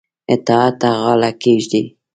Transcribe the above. اطاعت ته غاړه کښيږدي.